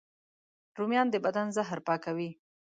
رومیان د بدن زهر پاکوي